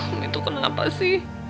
umi itu kenapa sih